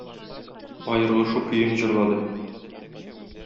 Аерылышу көен җырлады.